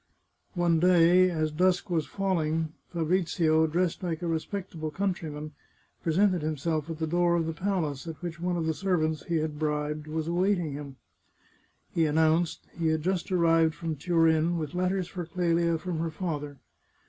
One day, as dusk was falling, Fabrizio, dressed like a respectable countryman, presented himself at the door of the palace, at which one of the servants he had bribed was awaiting him. He an nounced that he had just arrived from Turin with letters for Clelia from her father.